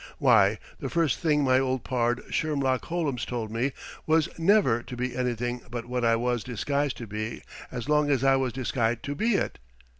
Why, the first thing my old pard Shermlock Hollums told me was never to be anything but what I was disguised to be as long as I was disguised to be it.